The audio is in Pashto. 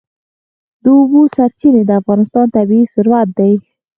د اوبو سرچینې د افغانستان طبعي ثروت دی.